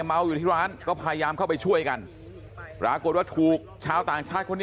เขามาซื้อของนั่นเเหล่ะแตะเขาไม่จ่ายเงิน